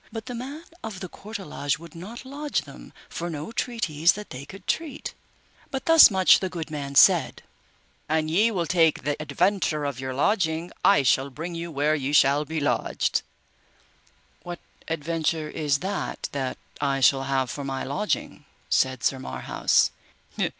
But the man of the courtelage would not lodge them for no treatise that they could treat, but thus much the good man said, An ye will take the adventure of your lodging, I shall bring you where ye shall be lodged. What adventure is that that I shall have for my lodging? said Sir Marhaus.